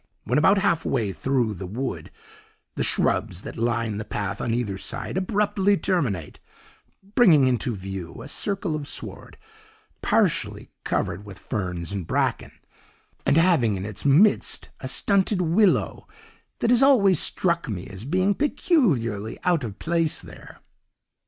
When about halfway through the wood the shrubs that line the path on either side abruptly terminate, bringing into view a circle of sward, partially covered with ferns and bracken, and having in its midst a stunted willow that has always struck me as being peculiarly out of place there.